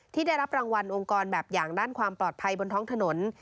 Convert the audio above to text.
ที่ได้รับรางวัลองค์กรแบบอย่างด้านความปลอดภัยบนท้องถนน